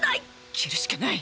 切るしかない！